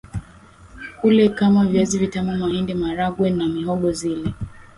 ula kama viazi vitamu mahindi maharagwe na mihogo zile